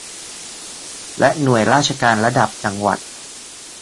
และหน่วยราชการระดับจังหวัด